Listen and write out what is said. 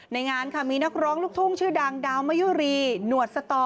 ในงานค่ะมีนักร้องลูกทุ่งชื่อดังดาวมะยุรีหนวดสตอ